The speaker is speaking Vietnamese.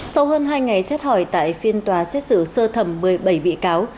sau hơn hai ngày xét hỏi tại phiên tòa xét xử sơ thẩm một mươi bảy bị cáo